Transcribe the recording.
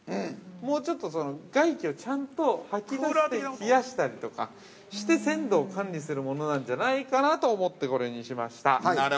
もうちょっと、外気をちゃんと吐き出して、冷やしたりとかして、鮮度を管理するものなんじゃないかなと思って、これにしました。